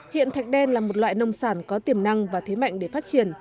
hiện thạch đen là một loại nông sản có tiềm năng và thế mạnh để phát triển